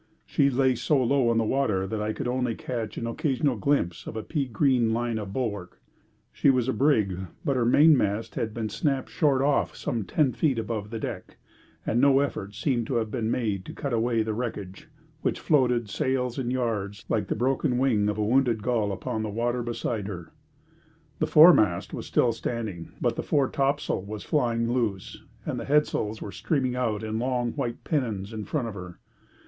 She lay so low in the water that I could only catch an occasional glimpse of a pea green line of bulwark. She was a brig, but her mainmast had been snapped short off some 10ft. above the deck, and no effort seemed to have been made to cut away the wreckage, which floated, sails and yards, like the broken wing of a wounded gull upon the water beside her. The foremast was still standing, but the foretopsail was flying loose, and the headsails were streaming out in long, white pennons in front of her.